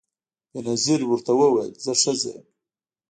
بېنظیر ورته وویل زه ښځه یم